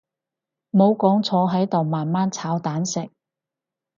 唔好講坐喺度慢慢炒蛋食